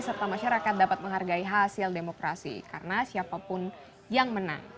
serta masyarakat dapat menghargai hasil demokrasi karena siapapun yang menang